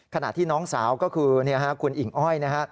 ขณะที่น้องสาวก็คือคุณอิ่งอ้อยนะฮะ